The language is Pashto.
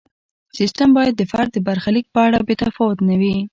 سیستم باید د فرد د برخلیک په اړه بې تفاوت نه وي.